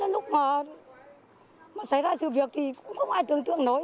lúc mà xảy ra sự việc thì không ai tưởng tượng nói